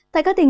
tại các tỉnh